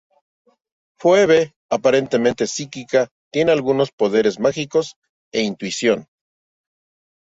Phoebe, aparentemente psíquica, tiene algunos poderes mágicos e intuición.